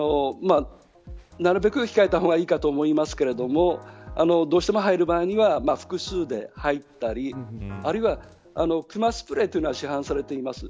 なるべく控えたほうがいいかと思いますがどうしても入る場合には複数で入ったりあるいは、クマスプレーというのが市販されています。